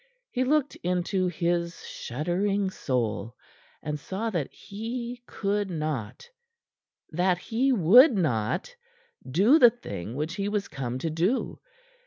He looked into his shuddering soul, and saw that he could not that he would not do the thing which he was come to do.